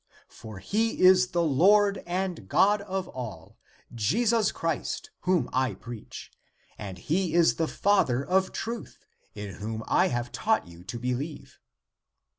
For he is the Lord and God of all, Jesus Christ, whom I preach, and he is the Father of truth, in whom I have taught you to believe."